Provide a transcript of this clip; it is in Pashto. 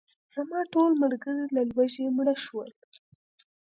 زما ټول ملګري له لوږې مړه شول.